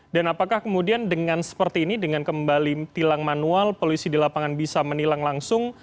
dan apakah kemudian dengan seperti ini dengan kembali tilang manual polisi di lapangan bisa menilang langsung